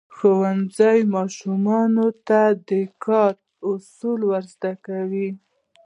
ښوونځی ماشومانو ته د کار اصول ورزده کوي.